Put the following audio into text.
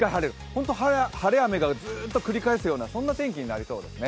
本当、晴れ雨がずっと繰り返すような天気になりそうですね。